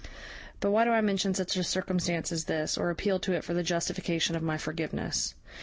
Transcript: But why do I mention such a circumstance as this, or appeal to it for the justification of my forgiveness?